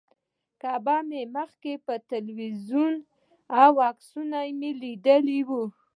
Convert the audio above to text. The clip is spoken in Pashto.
کعبه مې مخکې په تلویزیون او عکسونو کې لیدلې وه.